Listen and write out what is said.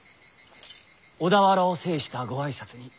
小田原を制したご挨拶に。